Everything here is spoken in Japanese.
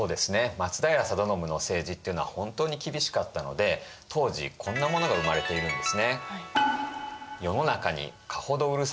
松平定信の政治っていうのは本当に厳しかったので当時こんなものが生まれているんですね。